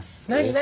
何？